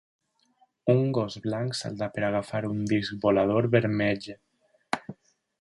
Un gos blanc salta per agafar un disc volador vermell.